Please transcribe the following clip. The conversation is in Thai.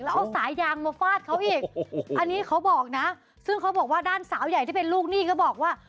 แล้วเอาสายยางมาฟาดเขาอีกอันนี้เขาบอกนะซึ่งเขาบอกว่าด้านสาวใหญ่ที่เป็นลูกหนี้ก็บอกว่า